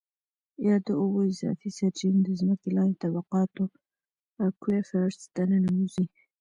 یا د اوبو اضافي سرچېنې د ځمکې لاندې طبقاتو Aquifers ته ننوځي.